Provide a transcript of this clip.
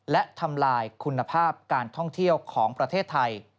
และทำลายคุณภาพการท่องเที่ยวของประเทศไทย